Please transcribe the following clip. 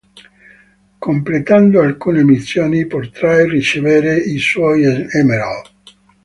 Completando alcune missioni potrai ricevere i sol emerald.